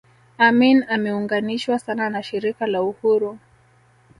Amin ameunganishwa sana na Shirika la Uhuru